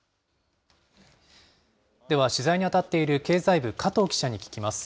では取材に当たっている経済部、加藤記者に聞きます。